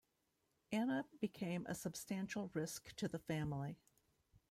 Anna became a substantial risk to the family.